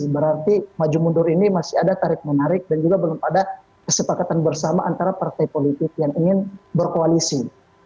berarti maju mundur ini masih ada tarik menarik dan juga belum ada kesepakatan bersama antara partai politik yang ingin berkoalisi